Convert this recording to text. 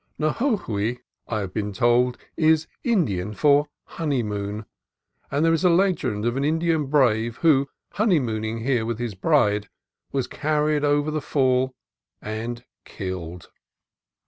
4i Xojogui." I have been told, is Indian for honeymoon, and there is a legend of an Indian brave who. honeymooning here with his bride, was carried over the fall and killed.